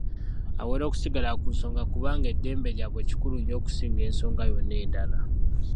Awera okusigala ku nsonga kubanga eddembe lyabwe kikulu nnyo okusinga ensonga yonna endala.